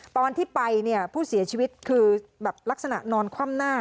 ตอนที่ไปเนี่ยผู้เสียชีวิตคือแบบลักษณะนอนคว่ำหน้า